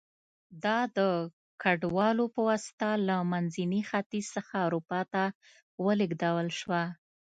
دا د کډوالو په واسطه له منځني ختیځ څخه اروپا ته ولېږدول شوه